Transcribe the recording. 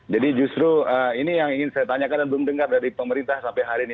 jadi justru ini yang ingin saya tanyakan dan belum dengar dari pemerintah sampai hari ini